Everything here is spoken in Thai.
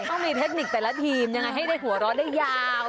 ต้องมีเทคนิคแต่ละทีมยังไงให้ได้หัวเราะได้ยาว